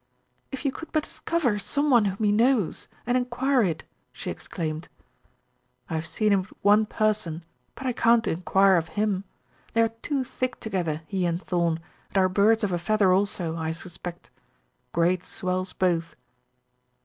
"If you could but discover some one whom he knows, and inquire it," she exclaimed. "I have seen him with one person, but I can't inquire of him. They are too thick together, he and Thorn, and are birds of a feather also, I suspect. Great swells both."